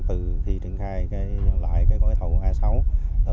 từ khi triển khai lại cái või thầu a sáu